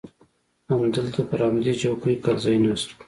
همدلته پر همدې چوکۍ کرزى ناست و.